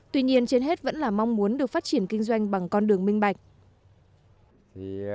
tuy nhiên trên hết vẫn là mong muốn được phát triển kinh doanh bằng con đường minh bạch